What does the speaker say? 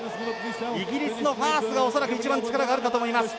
イギリスのファースが恐らく一番、力があるかと思います。